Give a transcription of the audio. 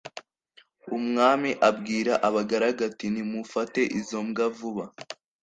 umwami abwira abagaragu ati ‘nimufate izo mbwa vuba.’